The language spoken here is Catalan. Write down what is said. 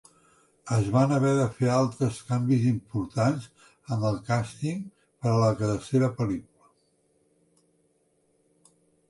Es van haver de fer altres canvis importants en el càsting per a la tercera pel·lícula.